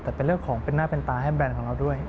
แต่เป็นเรื่องของเป็นหน้าเป็นตาให้แบรนด์ของเราด้วย